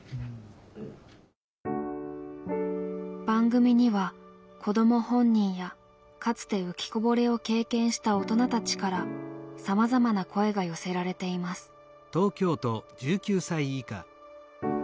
番組には子ども本人やかつて浮きこぼれを経験した大人たちからさまざまな声が寄せられています。